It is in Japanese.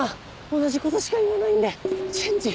同じことしか言わないんでチェンジ。